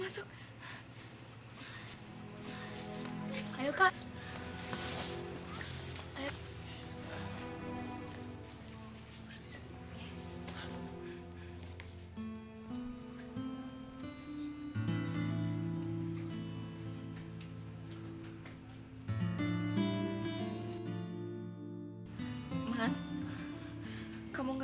man siapa mereka man